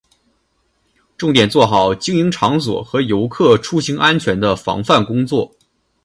重点做好经营场所和游客出行安全防范工作